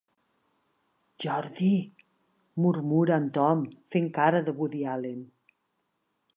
Jordi? –murmura el Tom fent cara de Woody Allen.